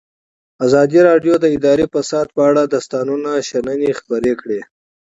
ازادي راډیو د اداري فساد په اړه د استادانو شننې خپرې کړي.